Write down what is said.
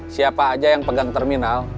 siapa aja yang pegang terminal